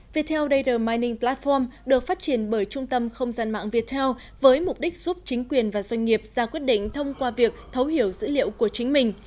viettel data mining platform được phát triển bởi trung tâm không gian mạng viettel với mục đích giúp chính quyền và doanh nghiệp ra quyết định thông qua việc thấu hiểu dữ liệu của chính mình